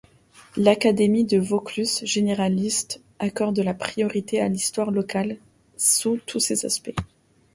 L'Académie de Vaucluse, généraliste, accorde la priorité à l'histoire locale sous tous ses aspects.